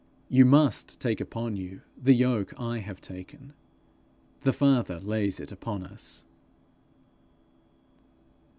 'You must take on you the yoke I have taken: the Father lays it upon us.'